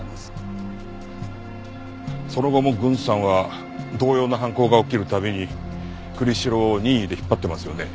その後も郡さんは同様の犯行が起きる度に栗城を任意で引っ張ってますよね？